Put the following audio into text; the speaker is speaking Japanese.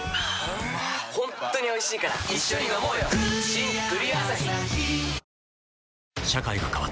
ホントにおいしいから一緒にのもうよ「ビオレＵＶ」